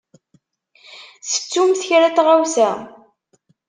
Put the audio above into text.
Tettumt kra n tɣawsa?